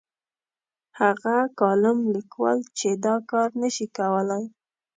هغه کالم لیکوال چې دا کار نه شي کولای.